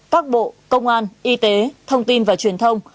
các bộ công an y tế thông tin và truyền thông